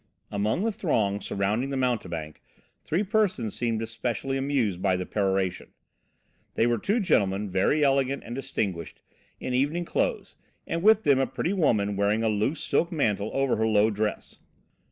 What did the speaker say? Among the throng surrounding the mountebank three persons seemed especially amused by the peroration. They were two gentlemen, very elegant and distinguished, in evening clothes, and with them a pretty woman wearing a loose silk mantle over her low dress.